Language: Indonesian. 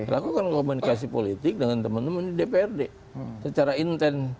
lakukan komunikasi politik dengan teman teman di dprd secara intent